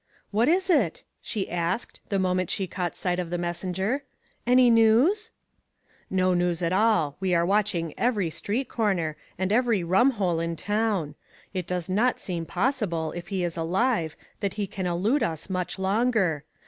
"What is it?" she asked, the moment she caught sight of the messenger. "Any news?" " No news at all. We are watching every street corner, and every rum hole in town. It does not seem possible, if he is alive, that he can elude us much longer.